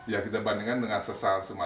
yang sekarang baru suksesnya